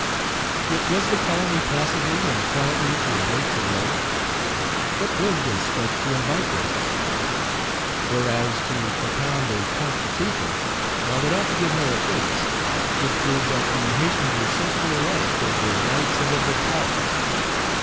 Yet was the colony passively and quietly to await the blow? What was this but to invite the blow? Whereas, to propound a constitution, while it ought to give no offence, would prove that the Haytians were sensible alike of their rights and of their power.